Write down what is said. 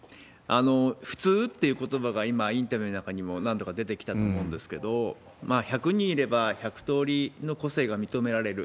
普通っていうことばが今、インタビューの中にも何度か出てきたと思うんですけど、１００人いれば１００通りの個性が認められる。